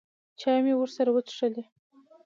چای مې ورسره وڅښلې.